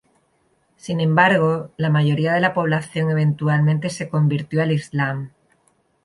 Sin embargo, la mayoría de la población eventualmente se convirtió al islam.